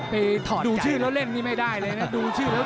ติดตามยังน้อยกว่า